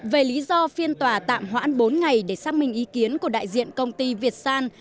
về lý do phiên tòa tạm hoãn bốn ngày để xác minh ý kiến của đại diện công ty việt san